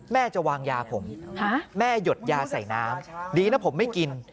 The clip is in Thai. จะวางยาผมแม่หยดยาใส่น้ำดีนะผมไม่กิน